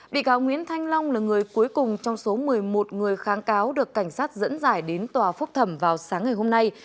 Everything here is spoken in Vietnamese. bị cáo nguyễn thanh long là người cuối cùng trong số một mươi một người kháng cáo được cảnh sát dẫn dải đến tòa phúc thẩm vào sáng ngày hôm nay